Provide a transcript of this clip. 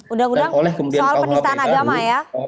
undang undang soal penistaan agama ya